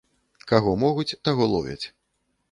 Каго могуць, таго ловяць.